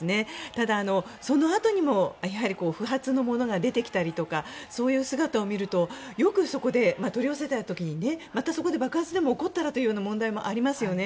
ただ、そのあとにも不発のものが出てきたりとかそういう姿を見るとよくそこで、取り押さえた時にまたそこで爆発が起こったらという問題もありますよね。